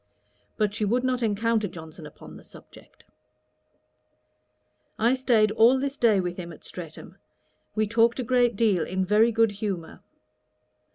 But she would not encounter Johnson upon the subject. I staid all this day with him at Streatham. He talked a great deal, in very good humour.